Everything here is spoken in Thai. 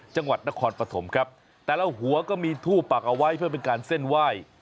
จังหวัดนครปฐมครับแต่ละหัวก็มีทูบปักเอาไว้เพื่อเป็นการเส้นไหว้